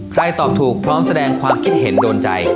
ตอบถูกพร้อมแสดงความคิดเห็นโดนใจ